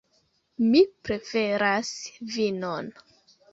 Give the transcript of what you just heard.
Mi preferas vinon.